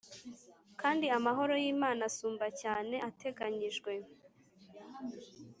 Kandi amahoro y’Imana asumba cyane ateganyijwe